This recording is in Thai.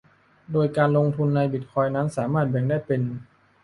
โดยการลงทุนในบิตคอยน์นั้นสามารถแบ่งได้เป็น